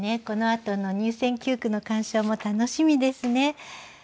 このあとの入選九句の鑑賞も楽しみですね。